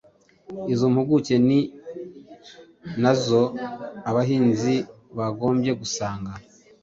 Izo mpuguke ni na zo abahinzi bagombye gusanga,